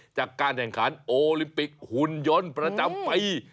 จากการแข่งขันโอลิมปิกหุ่นยนต์ประจำปี